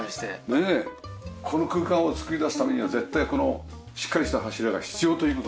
この空間を作り出すためには絶対このしっかりした柱が必要という事ですもんね。